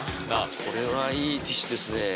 これはいいティッシュですね